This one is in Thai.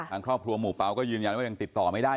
ทางครอบครัวหมู่เปล่าก็ยืนยันว่ายังติดต่อไม่ได้